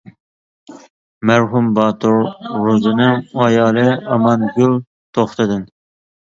-مەرھۇم باتۇر روزىنىڭ ئايالى ئامانگۈل توختىدىن.